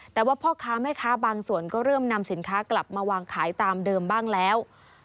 แต่ว่าพ่อค้าแม่ค้าบางส่วนก็เริ่มนำสินค้ากลับมาวางขายตามเดิมบ้างแล้ว